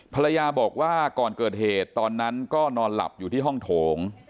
ภรรยาบอกว่าก่อนเกิดเหตุตอนนั้นก็นอนหลับอยู่ที่ห้องโถง